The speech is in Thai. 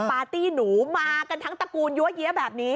ปาร์ตี้หนูมากันทั้งตระกูลยั้วเยี้ยแบบนี้